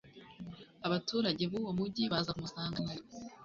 abaturage b'uwo mugi baza kumusanganira